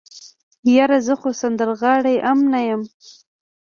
يره زه خو سندرغاړی ام نه يم.